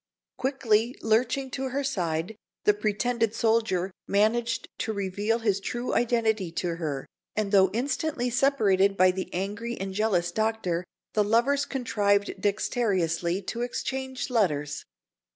Quickly lurching to her side, the pretended soldier managed to reveal his true identity to her; and though instantly separated by the angry and jealous Doctor, the lovers contrived dexterously to exchange letters.